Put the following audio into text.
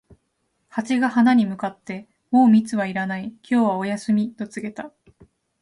ハチが花に向かって、「もう蜜はいらない、今日はお休み」と告げた。